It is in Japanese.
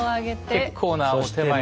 結構なお点前で。